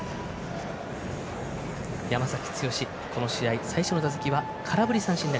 山崎剛、この試合最初の打席は空振り三振。